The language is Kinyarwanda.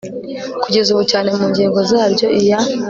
kugeza ubu cyane mu ngingo zaryo iya